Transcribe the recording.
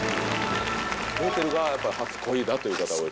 メーテルがやっぱり初恋だという方が多い。